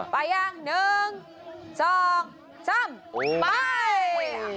ไปหรือยัง๑